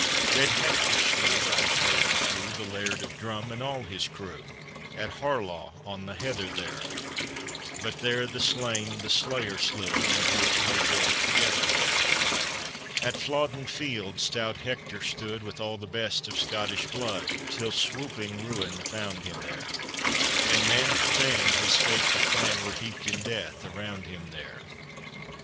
Red Hector slew, I tell you true, The laird of Drum, and all his crew, At Harlaw on the heather there; But there the slain the slayer slew, And both lay dead together there ! At Flodden field stout Hector stood, With all the best of Scottish blood, Till swooping ruin found him there! And man for man his faithful clan, Were heaped in death around him there!